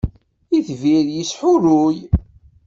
Itbir yeshuruy